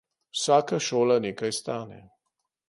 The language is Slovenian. Vsaka šola nekaj stane.